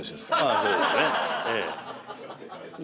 そうですね。